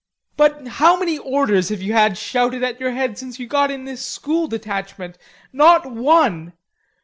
"But how many orders have you had shouted at your head since you got in this School Detachment? Not one.